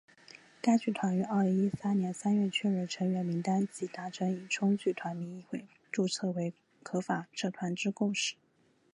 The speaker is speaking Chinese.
该剧团于二零一三年三月确认成员名单及达成以冲剧团名义注册为合法社团之共识。